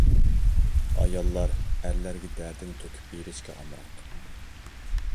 ئاياللار ئەرلەرگە دەردىنى تۆكۈپ بېرىشكە ئامراق.